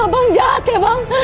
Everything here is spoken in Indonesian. abang jahat ya bang